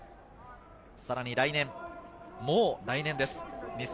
さらに来年、もう来年です。